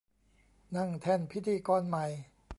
นั่งแท่นพิธีกรใหม่